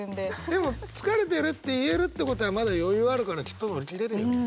でも「つかれてる」って言えるってことはまだ余裕あるからきっと乗り切れるよね。